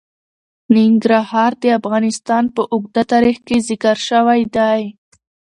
ننګرهار د افغانستان په اوږده تاریخ کې ذکر شوی دی.